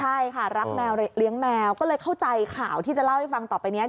ใช่ค่ะรักแมวเลี้ยงแมวก็เลยเข้าใจข่าวที่จะเล่าให้ฟังต่อไปนี้